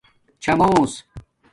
چھݳمݸس